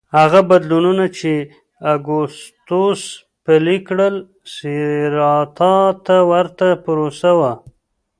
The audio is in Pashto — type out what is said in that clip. هغه بدلونونه چې اګوستوس پلي کړل سېراتا ته ورته پروسه وه